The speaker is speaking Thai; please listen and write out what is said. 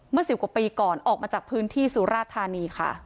เมื่อสิบกว่าปีก่อนออกมาจากพื้นที่สุรทานีค่ะ